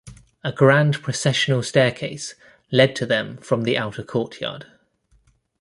A grand processional staircase led to them from the outer courtyard.